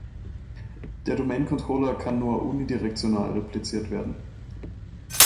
Der Domain Controller kann nur unidirektional repliziert werden.